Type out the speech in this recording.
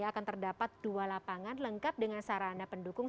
akan terdapat dua lapangan lengkap dengan sarana pendukung